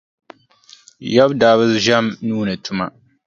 Yaba daa bi ʒɛm nuu ni tuma.